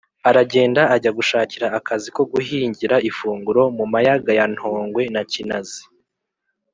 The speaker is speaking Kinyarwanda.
Aragenda ajya gushakira akazi ko guhingira ifunguro mu mayaga ya Ntongwe na Kinazi.